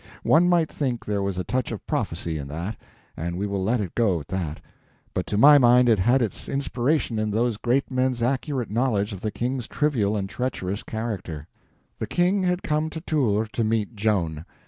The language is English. One might think there was a touch of prophecy in that, and we will let it go at that; but to my mind it had its inspiration in those great men's accurate knowledge of the King's trivial and treacherous character. The King had come to Tours to meet Joan.